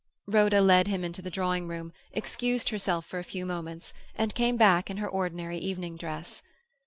Rhoda led him to the drawing room, excused herself for a few moments, and came back in her ordinary evening dress.